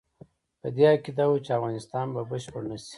په دې عقیده وو چې افغانستان به بشپړ نه شي.